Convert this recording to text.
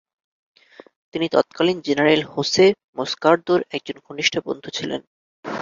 তিনি তৎকালীন general Jose মোস্কার্দোর একজন ঘনিষ্ঠ বন্ধু ছিলেন।